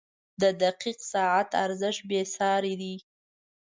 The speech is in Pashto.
• د دقیق ساعت ارزښت بېساری دی.